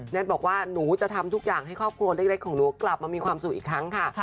บอกว่าหนูจะทำทุกอย่างให้ครอบครัวเล็กของหนูกลับมามีความสุขอีกครั้งค่ะ